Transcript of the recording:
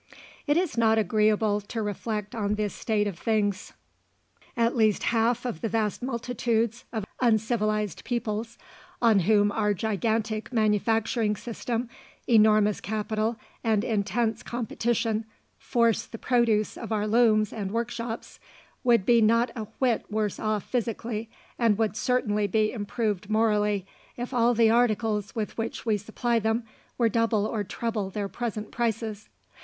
It is not agreeable to reflect on this state of things. At least half of the vast multitudes of uncivilized peoples, on whom our gigantic manufacturing system, enormous capital, and intense competition force the produce of our looms and workshops, would be not a whit worse off physically, and would certainly be improved morally, if all the articles with which w e supply them were double or treble their present prices.